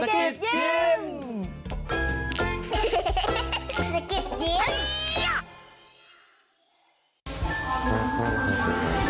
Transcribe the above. สกิดยิ้ม